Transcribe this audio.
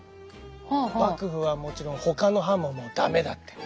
幕府はもちろんほかの藩も駄目だって。